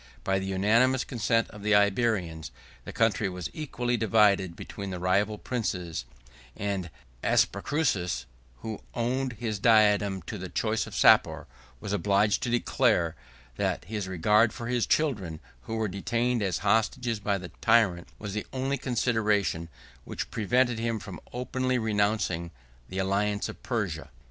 By the unanimous consent of the Iberians, the country was equally divided between the rival princes; and Aspacuras, who owed his diadem to the choice of Sapor, was obliged to declare, that his regard for his children, who were detained as hostages by the tyrant, was the only consideration which prevented him from openly renouncing the alliance of Persia.